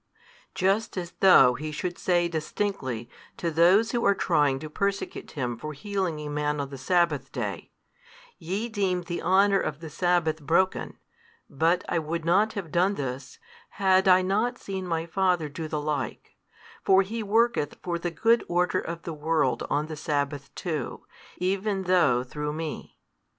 Just as though He should say distinctly to those who aro trying to persecute Him for healing a man on the Sabbath day, Ye deem the honour of the Sabbath broken, but I would not have done this, had I not seen My Father do the like; for He worketh for the good order of the world on the Sabbath too, even though through Me.